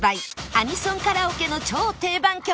アニソンカラオケの超定番曲